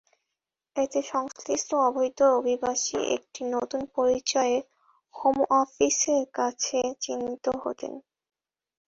এতে সংশ্লিষ্ট অবৈধ অভিবাসী একটি নতুন পরিচয়ে হোম অফিসের কাছে চিহ্নিত হতেন।